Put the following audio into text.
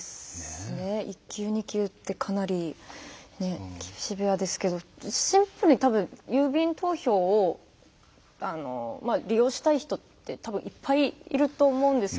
１級２級ってかなりシビアですけどシンプルに多分郵便投票を利用したい人って多分いっぱいいると思うんですよ。